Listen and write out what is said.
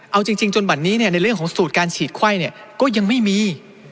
เอาจริงจนบัดนี้ในเรื่องของสูตรการฉีดไข้ก็ยังไม่มี